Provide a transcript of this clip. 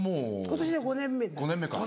今年で５年目で。